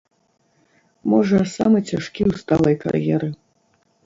Можа, самы цяжкі ў сталай кар'еры.